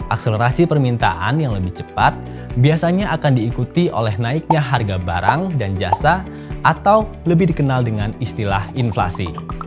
akselerasi permintaan yang lebih cepat biasanya akan diikuti oleh naiknya harga barang dan jasa atau lebih dikenal dengan istilah inflasi